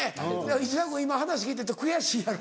内田君今話聞いてて悔しいやろ。